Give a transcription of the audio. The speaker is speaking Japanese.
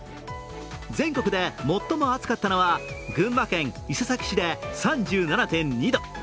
全国で最も暑かったのは群馬県伊勢崎市で３７．２度。